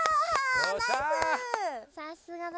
さすがだ。